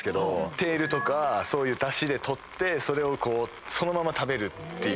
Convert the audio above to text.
テールとかだしで取ってそれをそのまま食べるっていう。